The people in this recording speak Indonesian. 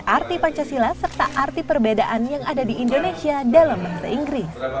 arti pancasila serta arti perbedaan yang ada di indonesia dalam bahasa inggris